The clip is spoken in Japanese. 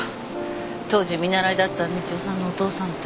当時見習いだった道夫さんのお父さんって。